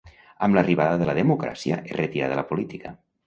Amb l'arribada de la democràcia es retirà de la política.